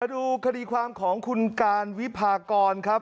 ดูคดีความของคุณการวิพากรครับ